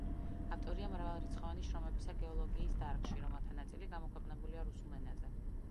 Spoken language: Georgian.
ავტორია მრავალრიცხოვანი შრომებისა გეოლოგიის დარგში, რომელთა ნაწილი გამოქვეყნებულია რუსულ ენაზე.